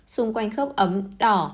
xung quanh khớp ấm đỏ